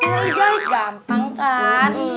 ini jahit gampang kan